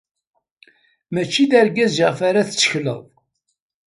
Mačči d argaz iɣef ara tettekleḍ.